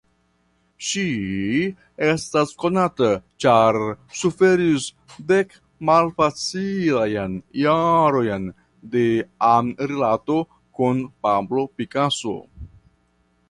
Ŝi estas konata ĉar suferis dek malfacilajn jarojn de amrilato kun Pablo Picasso.